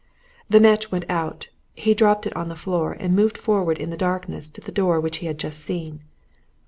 The match went out; he dropped it on the floor and moved forward in the darkness to the door which he had just seen.